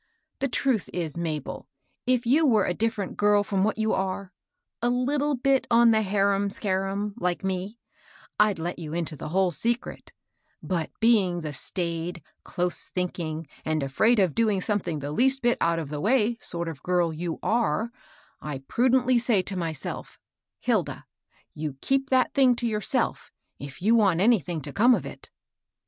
The truth is, Mabel, if you were a different girl from what you are, — a little bit on the harum scarufriy like me, I'd let you into the whole secret ; but being the staid, close thinking, and afraid of doing something the least bit out of the way sort of girl you are, I prudently say to myself ' Hilda ! you keep that thmg to yourself, if you want anything to come of it.'